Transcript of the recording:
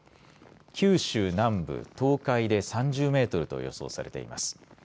九州南部、東海で３０メートルと予想されています。